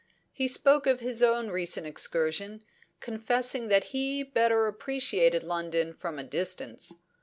He spoke of his own recent excursion, confessing that he better appreciated London from a distance.